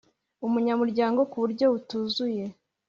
Umunyamuryango ku buryo butuzuye